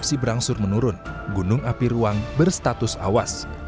masih berangsur menurun gunung api ruang berstatus awas